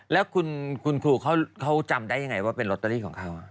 แล้วคุณครูเขาจำได้ยังไงว่าเป็นลอตเตอรี่ของเขา